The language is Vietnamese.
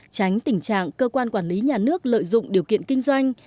tránh tình trạng cơ quan quản lý nhà nước lợi dụng điều kiện kinh doanh